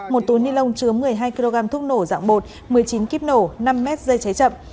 một túi ni lông chứa một mươi hai kg thuốc nổ dạng bột một mươi chín kíp nổ năm m dây cháy chậm